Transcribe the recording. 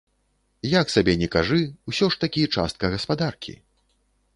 Як сабе ні кажы, усё ж такі частка гаспадаркі.